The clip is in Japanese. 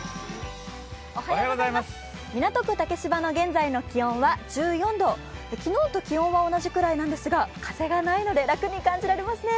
港区竹芝の現在の気温は１４度、昨日と気温は同じくらいなんですが、風がないので楽に感じられますね。